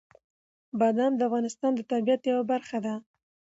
بادام د افغانستان د طبیعت یوه برخه ده.